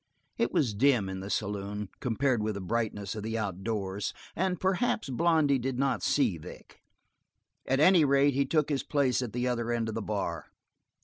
It was dim in the saloon, compared with the brightness of the outdoors, and perhaps Blondy did not see Vic. At any rate he took his place at the other end of the bar.